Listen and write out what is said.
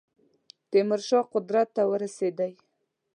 تیمور شاه قدرت ته ورسېدی.